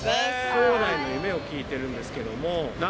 将来の夢を聞いてるんですけ